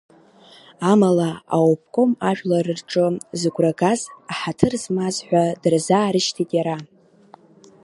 Амала аобком ажәлар рҿы зыгәра газ, аҳаҭыр змаз ҳәа дырзаарышьҭит иара.